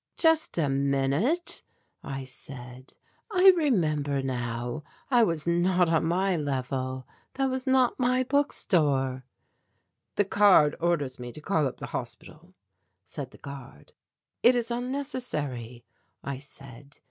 "Just a minute," I said, "I remember now. I was not on my level that was not my book store." "The card orders me to call up the hospital," said the guard. "It is unnecessary," I said.